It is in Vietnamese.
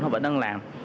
họ vẫn đang làm